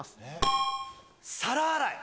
皿洗い。